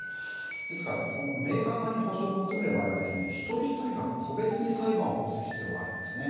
ですからメーカー側に補償を求める場合は一人一人が個別に裁判を起こす必要があるんです。